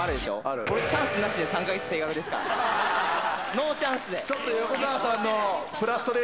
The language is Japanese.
ノーチャンスで。